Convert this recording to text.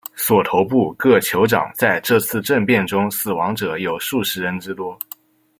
索头部各酋长在这次政变中死亡者有数十人之多。